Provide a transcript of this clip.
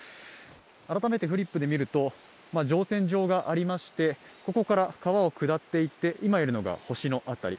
改めてフリップで見ると、乗船場がありまして、ここから川を下っていって、今いるのが☆の辺り。